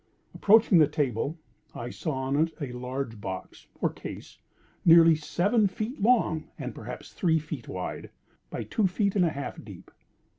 Approaching the table, I saw on it a large box, or case, nearly seven feet long, and perhaps three feet wide, by two feet and a half deep.